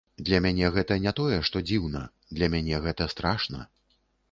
Для мяне гэта не тое, што дзіўна, для мяне гэта страшна.